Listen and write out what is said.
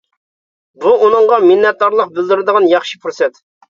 بۇ ئۇنىڭغا مىننەتدارلىق بىلدۈرىدىغان ياخشى پۇرسەت.